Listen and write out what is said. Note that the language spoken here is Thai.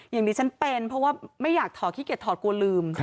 อย่างนี้ฉันเป็นเพราะว่าไม่อยากถอดขี้เกียจถอดกลัวลืม